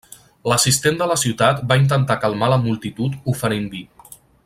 L'Assistent de la ciutat va intentar calmar la multitud oferint vi.